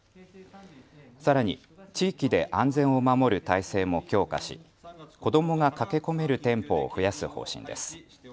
さらに地域で安全を守る体制も強化し子どもが駆け込める店舗を増やす方針です。